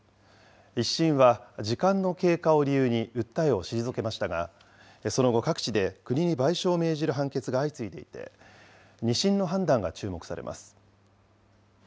１審は時間の経過を理由に訴えを退けましたが、その後、各地で国に賠償を命じる判決が相次いでいて、２審の判断が注目されます。